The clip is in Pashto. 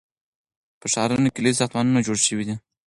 په ښارونو کې لوی ساختمانونه جوړ شوي دي.